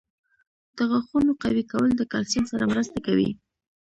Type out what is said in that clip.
• د غاښونو قوي کول د کلسیم سره مرسته کوي.